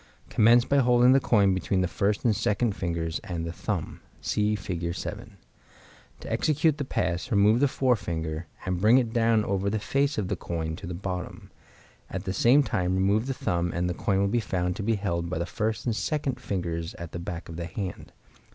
Commence by holding the coin between the first and second fingers and the thumb. (See Fig. 7.) To execute the pass, remove the forefinger, and bring it down over the face of the coin to the bottom; at the same time remove the thumb, and the coin will be found to be held by the first and second fingers at the back of the hand.